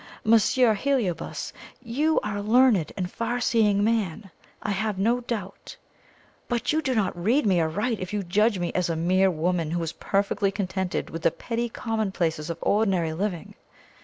Monsieur Heliobas, you are a learned and far seeing man, I have no doubt; but you do not read me aright if you judge me as a mere woman who is perfectly contented with the petty commonplaces of ordinary living.